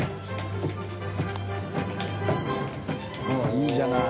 いいじゃない。